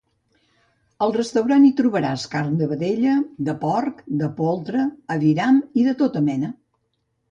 Al restaurant hi trobaràs carn de vedella, de porc, de poltre, aviram i de tota mena.